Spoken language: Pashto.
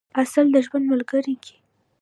عسل د ژوند ملګری کئ.